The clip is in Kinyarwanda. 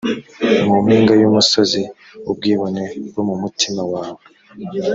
mu mpinga y umusozi ubwibone bwo mu mutima wawe